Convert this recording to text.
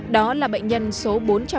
đó là bệnh nhân số bốn trăm một mươi sáu